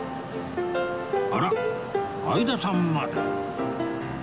あら相田さんまで？